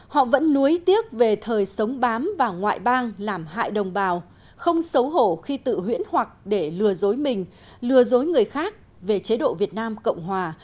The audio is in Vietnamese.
họ vẫn nối tiếc về thời sống bám và ngoại bang làm hại đồng bào không xấu hổ khi tự huyễn hoặc để lừa dối mình lừa dối người khác về chế độ việt nam cộng hòa